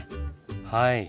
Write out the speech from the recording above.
はい。